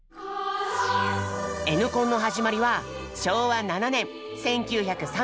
「Ｎコン」の始まりは昭和７年１９３２年。